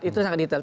itu sangat detail